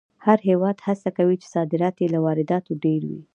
هر هېواد هڅه کوي چې صادرات یې له وارداتو ډېر وي.